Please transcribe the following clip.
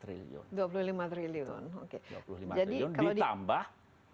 dua puluh lima triliun ditambah